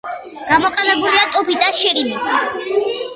გამოყენებულია ტუფი და შირიმი.